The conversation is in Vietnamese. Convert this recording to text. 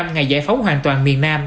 ngày giải phóng hoàn toàn miền nam